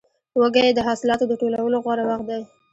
وږی د حاصلاتو د ټولولو غوره وخت دی.